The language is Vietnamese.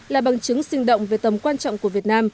là bằng chứng sinh động về tầm quan trọng của việt nam